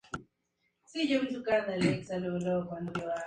Es producida por Ignacio Ortiz para Televisa.